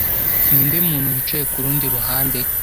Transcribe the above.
Ninde muntu wicaye kurundi ruhande